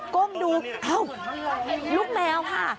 ก้มดูเอ้าลูกแมวค่ะ